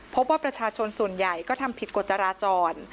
พบว่าประชาชนส่วนใหญ่ก็ทำผิดกฎจราจร